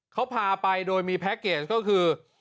เขาพาไปโดยมีแพ็คเกจก็คือ